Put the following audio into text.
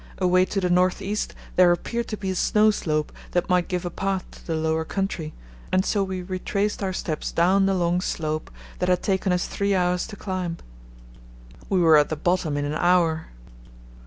Away to the north east there appeared to be a snow slope that might give a path to the lower country, and so we retraced our steps down the long slope that had taken us three hours to climb. We were at the bottom in an hour.